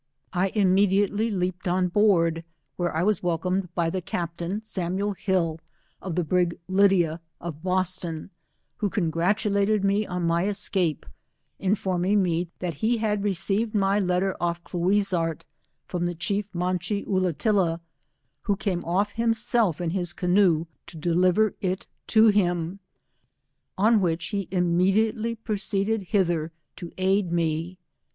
I immediately leaped on board, where I was welcomed by the captain, Samuel Hill, of the brig Lydia of Boston, who congratulated me on my escape, informing me that he had received ray letter off Kloiz zart, from the chief Machee Ulatilla, who came off himself in his canoe, to deliver it to him, on which he immediate ly proceeded hither to aid me.